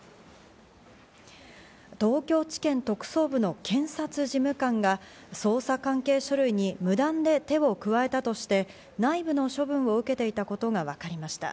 東京地検特捜部の検察事務官が捜査関係書類に無断で手を加えたとして、内部の処分を受けていたことがわかりました。